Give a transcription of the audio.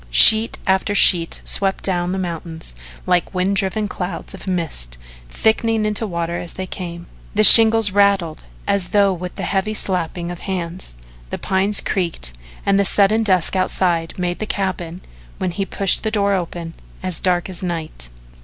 Sheet after sheet swept down the mountains like wind driven clouds of mist thickening into water as they came. The shingles rattled as though with the heavy slapping of hands, the pines creaked and the sudden dusk outside made the cabin, when he pushed the door open, as dark as night.